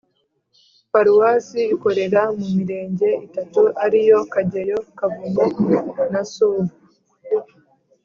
paruwasi ikorera mu mirenge itatu ariyo kageyo, kavumu na sovu